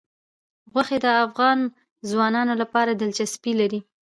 غوښې د افغان ځوانانو لپاره دلچسپي لري.